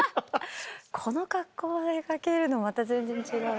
この格好で掛けるのまた全然違う。